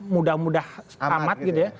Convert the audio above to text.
mudah mudah amat gitu ya